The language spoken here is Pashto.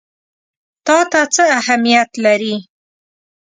تا ته څه اهمیت لري؟